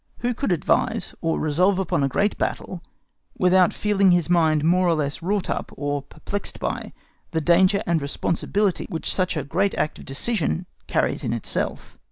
Who could advise, or resolve upon a great battle, without feeling his mind more or less wrought up, or perplexed by, the danger and responsibility which such a great act of decision carries in itself?